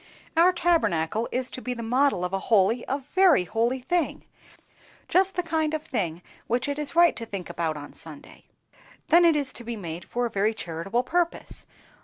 "Our Tabernacle is to be the model of a holy—a very holy thing, just the kind of a thing which it is right to think about on Sunday. Then it is to be made for a very charitable purpose.